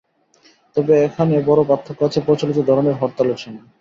তবে এখানে বড় পার্থক্য আছে প্রচলিত ধরনের হরতালের সঙ্গে।